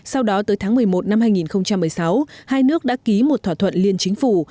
sau đó tới tháng một mươi một năm hai nghìn một mươi sáu hai nước đã ký một thỏa thuận liên chính phủ